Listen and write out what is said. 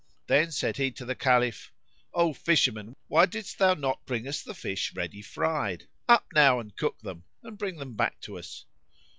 Then said he to the Caliph, "O fisherman, why didst thou not bring us the fish ready fried? Up now and cook them; and bring them back to us."